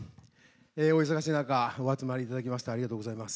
お忙しい中お集まりいただきましてありがとうございます。